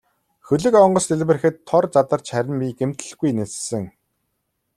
Хөлөг онгоц дэлбэрэхэд тор задарч харин би гэмтэлгүй ниссэн.